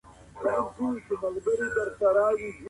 د خاوند حق د فرض عين په مقابل کي اثر نلري.